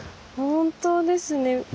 本当ですね。